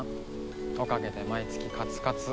おかげで毎月カツカツ。